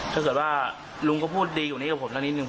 ถ้าเกิดว่าลุงก็พูดดีกว่านี้กับผมแล้วนิดนึ